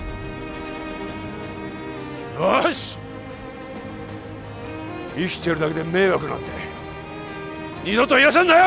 よし生きてるだけで迷惑なんて二度と言わせるなよ！